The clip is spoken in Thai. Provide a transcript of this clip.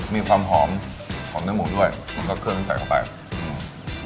มีความหอมหอมเนื้อหมูด้วยแล้วก็เครื่องที่ใส่เข้าไปอืม